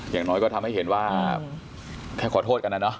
อย่างน้อยก็ทำให้เห็นว่าแค่ขอโทษกันนะเนาะ